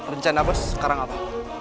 rencana bos sekarang apa